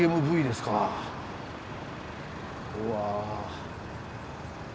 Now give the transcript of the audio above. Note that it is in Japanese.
うわ。